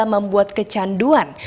bisa membuat kecanduan